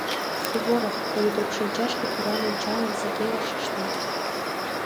— Суворов! — политрук шинчашке туран ончалын, Сергей вашешта.